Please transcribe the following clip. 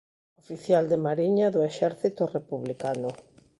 Oficial de mariña do exército republicano.